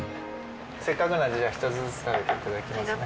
せっかくなんで１つずつ食べていただきますね。